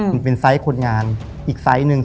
มันเป็นไซส์คนงานอีกไซส์หนึ่ง